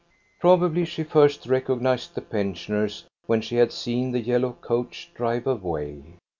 Probably she first recognized the pensioners when she had seen the yellow coach drive away.